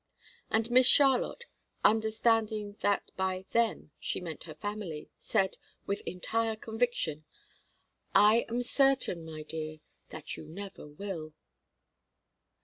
And Miss Charlotte, understanding that by "them" she meant her family, said, with entire conviction: "I am certain, my dear, that you never will."